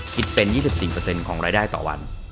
คิดเป็น๒๔ของรายได้ต่อวัน